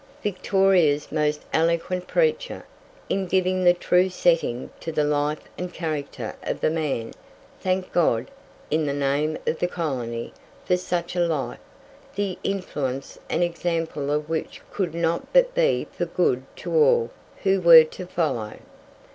Victoria's most eloquent preacher, in giving the true setting to the life and character of the man, thanked God, in the name of the colony, for such a life, the influence and example of which could not but be for good to all who were to follow.